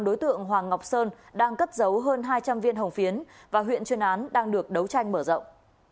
đối tượng hoàng ngọc sơn đang cất giấu hơn hai trăm linh viên hồng phiến và huyện chuyên án đang được đấu tranh mở rộng